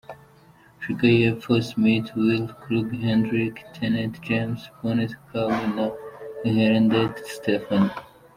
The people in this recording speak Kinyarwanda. Afurika y’Epfo: Smit Wilie, Kruger Hendrik, Tennent James, Bonthuys Carl na Ihlenfleldt Stephan.